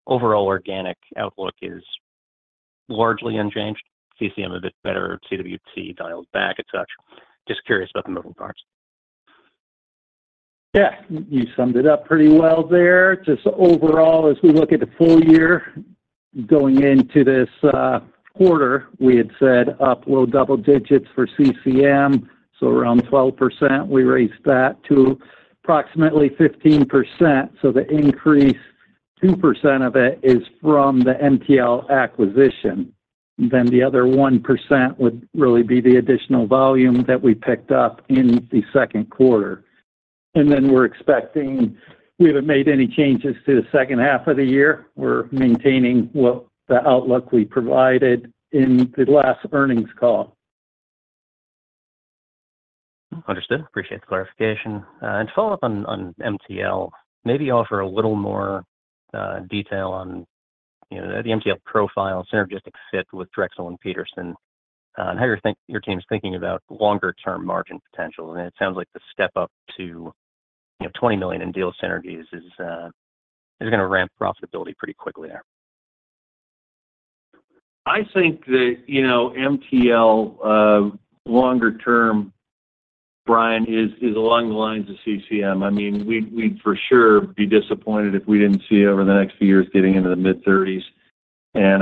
overall organic outlook is largely unchanged. CCM a bit better. CWT dialed back a touch. Just curious about the moving parts. Yeah. You summed it up pretty well there. Just overall, as we look at the full year going into this quarter, we had said up low double digits for CCM, so around 12%. We raised that to approximately 15%. So the increase, 2% of it is from the MTL acquisition. Then the other 1% would really be the additional volume that we picked up in the second quarter. And then we're expecting we haven't made any changes to the second half of the year. We're maintaining the outlook we provided in the last earnings call. Understood. Appreciate the clarification. To follow up on MTL, maybe offer a little more detail on the MTL profile, synergistic fit with Drexel and Peterson, and how your team is thinking about longer-term margin potential. It sounds like the step up to $20 million in deal synergies is going to ramp profitability pretty quickly there. I think that MTL longer term, Bryan, is along the lines of CCM. I mean, we'd for sure be disappointed if we didn't see over the next few years getting into the mid-30s%.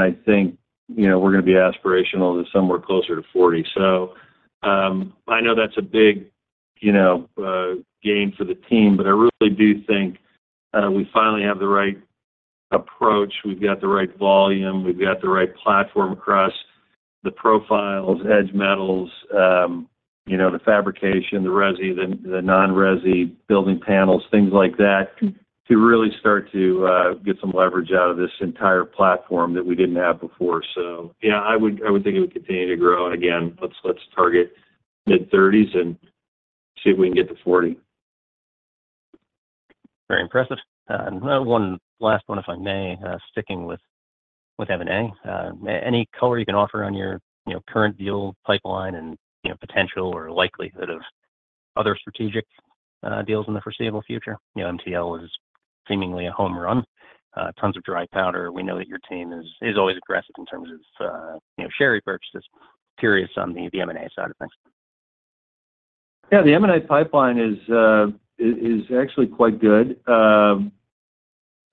I think we're going to be aspirational to somewhere closer to 40%. So I know that's a big gain for the team, but I really do think we finally have the right approach. We've got the right volume. We've got the right platform across the profiles, edge metals, the fabrication, the resi, the non-resi building panels, things like that, to really start to get some leverage out of this entire platform that we didn't have before. So yeah, I would think it would continue to grow. And again, let's target mid-30s and see if we can get to 40. Very impressive. One last one, if I may, sticking with M&A. Any color you can offer on your current deal pipeline and potential or likelihood of other strategic deals in the foreseeable future? MTL is seemingly a home run. Tons of dry powder. We know that your team is always aggressive in terms of share repurchases. Curious on the M&A side of things. Yeah. The M&A pipeline is actually quite good.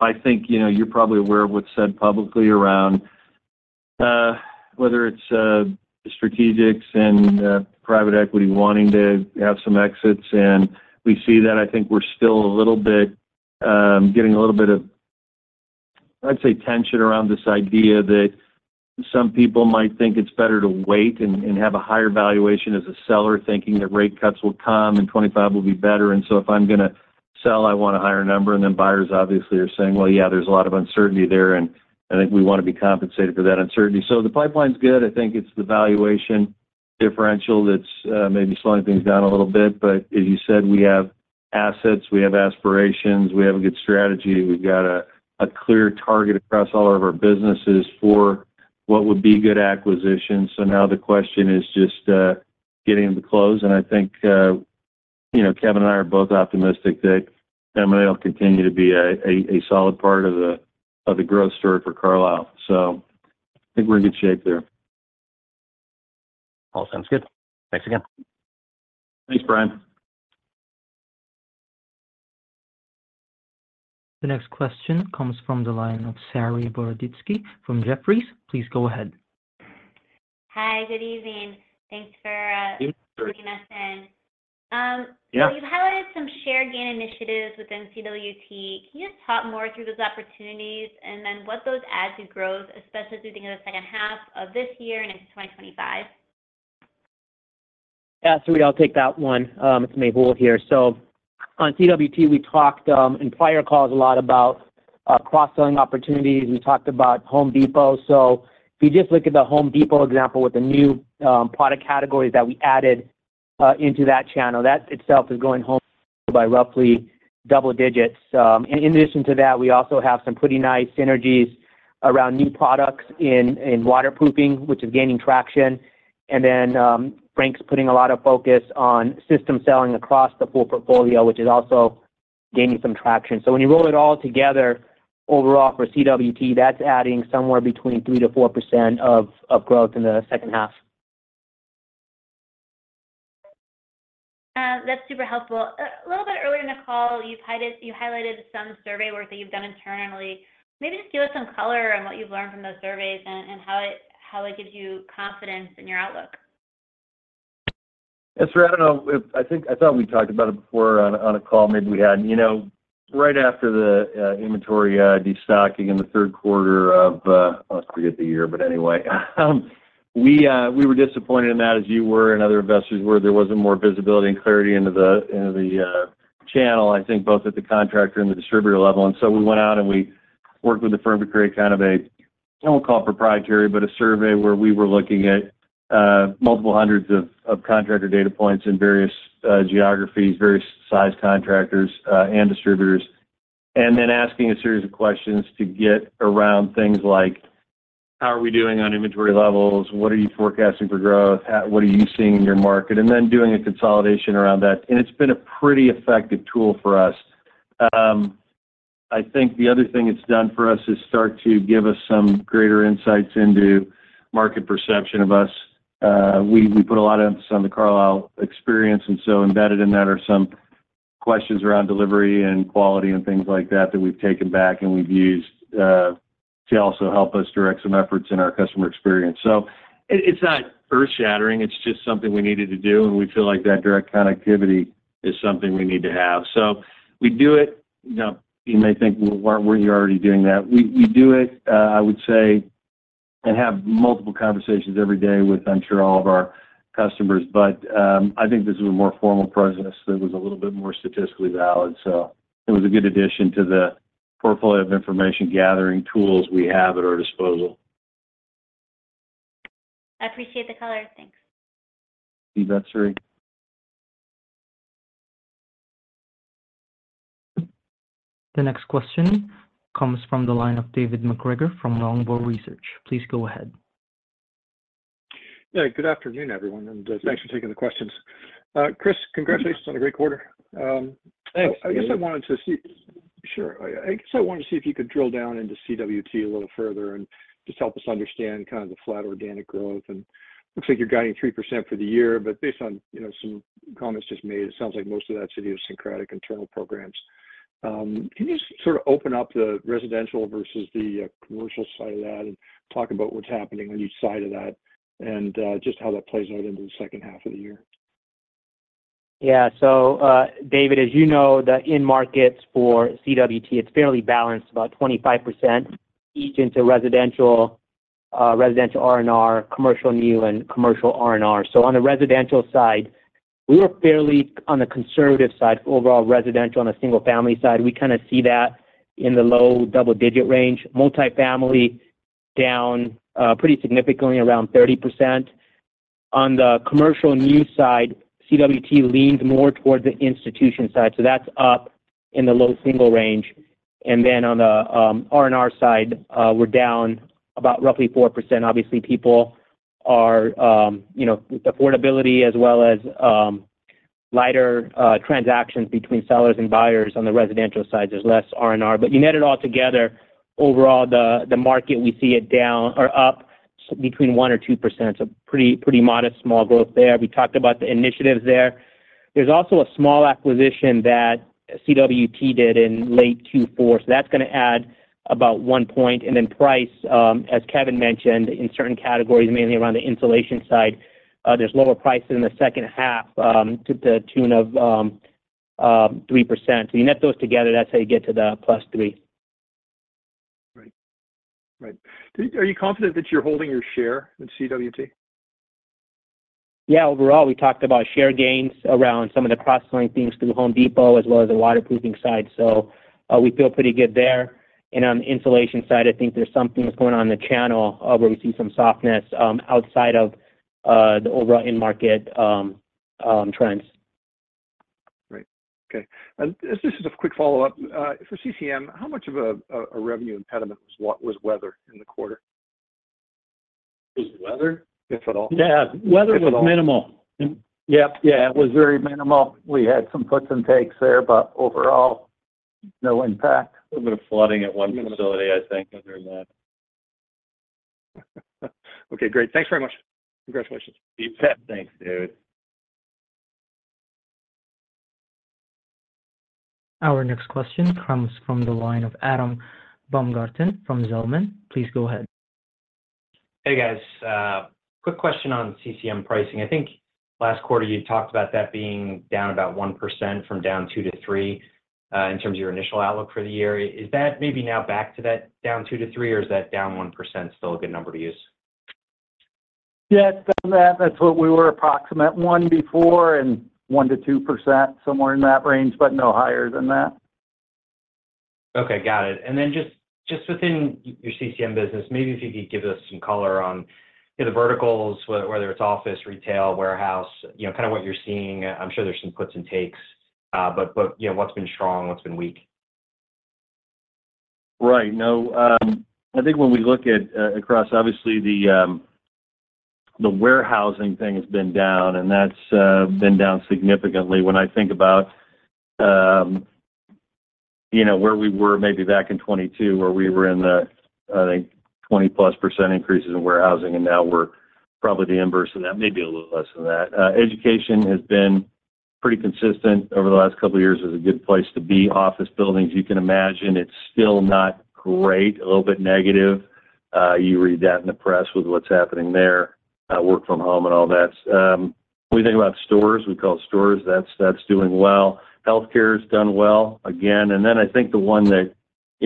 I think you're probably aware of what's said publicly around whether it's strategics and private equity wanting to have some exits. And we see that I think we're still a little bit getting a little bit of, I'd say, tension around this idea that some people might think it's better to wait and have a higher valuation as a seller thinking that rate cuts will come and 2025 will be better. And so if I'm going to sell, I want a higher number. And then buyers obviously are saying, "Well, yeah, there's a lot of uncertainty there." And I think we want to be compensated for that uncertainty. So the pipeline's good. I think it's the valuation differential that's maybe slowing things down a little bit. But as you said, we have assets, we have aspirations, we have a good strategy. We've got a clear target across all of our businesses for what would be good acquisitions. So now the question is just getting them to close and I think Kevin and I are both optimistic that M&A will continue to be a solid part of the growth story for Carlisle. So I think we're in good shape there. All sounds good. Thanks again. Thanks, Bryan. The next question comes from the line of Saree Boroditsky from Jefferies. Please go ahead. Hi. Good evening. Good evening. Thanks for joining us in. Yup. So you've highlighted some shared gain initiatives within CWT. Can you just talk more through those opportunities and then what those add to growth, especially as we think of the second half of this year and into 2025? Yeah. So I'll take that one. It's Mehul here. So on CWT, we talked in prior calls a lot about cross-selling opportunities. We talked about Home Depot. So if you just look at the Home Depot example with the new product categories that we added into that channel, that itself is going of by roughly double digits. In addition to that, we also have some pretty nice synergies around new products in waterproofing, which is gaining traction. And then Frank's putting a lot of focus on system selling across the full portfolio, which is also gaining some traction. So when you roll it all together, overall, for CWT, that's adding somewhere between 3%-4% of growth in the second half. That's super helpful. A little bit earlier in the call, you highlighted some survey work that you've done internally. Maybe just give us some color on what you've learned from those surveys and how it gives you confidence in your outlook. Yes, Saree. I don't know. I thought we talked about it before on a call. Maybe we had. Right after the inventory destocking in the third quarter of I forget the year, but anyway. We were disappointed in that as you were and other investors were. There wasn't more visibility and clarity into the channel, I think, both at the contractor and the distributor level. And so we went out and we worked with the firm to create kind of a, I won't call it proprietary, but a survey where we were looking at multiple hundreds of contractor data points in various geographies, various size contractors and distributors, and then asking a series of questions to get around things like, "How are we doing on inventory levels? What are you forecasting for growth? What are you seeing in your market?" And then doing a consolidation around that. It's been a pretty effective tool for us. I think the other thing it's done for us is start to give us some greater insights into market perception of us. We put a lot of emphasis on the Carlisle Experience. And so embedded in that are some questions around delivery and quality and things like that that we've taken back and we've used to also help us direct some efforts in our customer experience. So it's not earth-shattering. It's just something we needed to do. And we feel like that direct connectivity is something we need to have. So we do it. You may think, "Why aren't you already doing that?" We do it, I would say, and have multiple conversations every day with, I'm sure, all of our customers. But I think this was a more formal process that was a little bit more statistically valid. So it was a good addition to the portfolio of information gathering tools we have at our disposal. I appreciate the color. Thanks. Thanks, Saree. The next question comes from the line of David MacGregor from Longbow Research. Please go ahead. Good afternoon, everyone. And thanks for taking the questions. Chris, congratulations on a great quarter. Thanks. I guess I wanted to see if you could drill down into CWT a little further and just help us understand kind of the flat organic growth. And it looks like you're guiding 3% for the year. But based on some comments just made, it sounds like most of that's idiosyncratic internal programs. Can you sort of open up the residential versus the commercial side of that and talk about what's happening on each side of that and just how that plays out into the second half of the year? Yeah. So David, as you know, the in-markets for CWT, it's fairly balanced, about 25% each into residential, residential R&R, commercial new, and commercial R&R. So on the residential side, we were fairly on the conservative side. Overall residential on the single-family side, we kind of see that in the low double-digit range. Multi-family down pretty significantly, around 30%. On the commercial new side, CWT leans more toward the institution side. So that's up in the low single range. And then on the R&R side, we're down about roughly 4%. Obviously, people are affordability as well as lighter transactions between sellers and buyers on the residential side, there's less R&R. But you net it all together, overall, the market, we see it down or up between 1% or 2%. So pretty modest small growth there. We talked about the initiatives there. There's also a small acquisition that CWT did in late Q4. So that's going to add about one point. And then price, as Kevin mentioned, in certain categories, mainly around the insulation side, there's lower prices in the second half to the tune of 3%. So you net those together, that's how you get to the +3%. Right. Right. Are you confident that you're holding your share in CWT? Yeah. Overall, we talked about share gains around some of the cross-selling things through Home Depot as well as the waterproofing side. So we feel pretty good there. And on the insulation side, I think there's something that's going on in the channel where we see some softness outside of the overall in-market trends. Right. Okay. This is a quick follow-up. For CCM, how much of a revenue impediment was weather in the quarter? Was weather, if at all? Yeah. Weather was minimal. Yep. Yeah. It was very minimal. We had some puts and takes there, but overall, no impact. A little bit of flooding at one facility, I think, other than that. Okay. Great. Thanks very much. Congratulations. You bet. Thanks, David. Our next question comes from the line of Adam Baumgarten from Zelman. Please go ahead. Hey, guys. Quick question on CCM pricing. I think last quarter you talked about that being down about 1% from down 2%-3% in terms of your initial outlook for the year. Is that maybe now back to that down 2%-3%, or is that down 1% still a good number to use? Yeah. That's what we were approximately 1% before and 1%-2%, somewhere in that range, but no higher than that. Okay. Got it. And then just within your CCM business, maybe if you could give us some color on the verticals, whether it's office, retail, warehouse, kind of what you're seeing. I'm sure there's some puts and takes, but what's been strong, what's been weak? Right. No. I think when we look at across, obviously, the warehousing thing has been down, and that's been down significantly. When I think about where we were maybe back in 2022, where we were in the, I think, 20+% increases in warehousing, and now we're probably the inverse of that, maybe a little less than that. Education has been pretty consistent over the last couple of years as a good place to be. Office buildings, you can imagine. It's still not great, a little bit negative. You read that in the press with what's happening there, work from home and all that. When we think about stores, we call stores, that's doing well. Healthcare has done well, again. And then I think the one that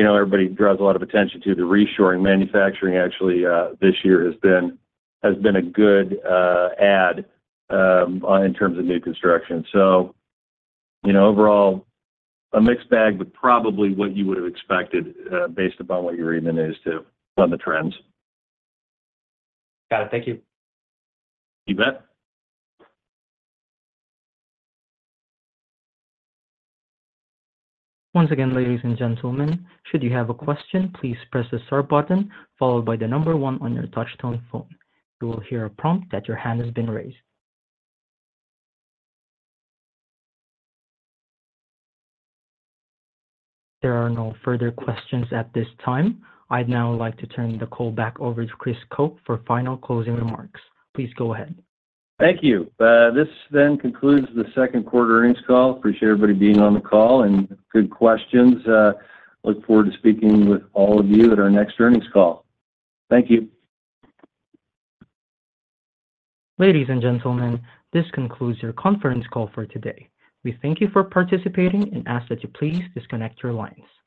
everybody draws a lot of attention to, the reshoring manufacturing, actually, this year has been a good add in terms of new construction. So overall, a mixed bag, but probably what you would have expected based upon what you read in the news too on the trends. Got it. Thank you. You bet. Once again, ladies and gentlemen, should you have a question, please press the start button followed by the number one on your touch-tone phone. You will hear a prompt that your hand has been raised. There are no further questions at this time. I'd now like to turn the call back over to Chris Koch for final closing remarks. Please go ahead. Thank you. This then concludes the second quarter earnings call. Appreciate everybody being on the call and good questions. Look forward to speaking with all of you at our next earnings call. Thank you. Ladies and gentlemen, this concludes your conference call for today. We thank you for participating and ask that you please disconnect your lines.